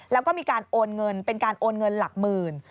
แล้วก็มีการโอนเงินเป็นการโอนเงินหลักหมื่น